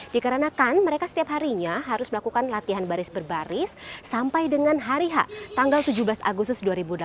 dikarenakan mereka setiap harinya harus melakukan latihan baris berbaris sampai dengan hari h tanggal tujuh belas agustus dua ribu delapan belas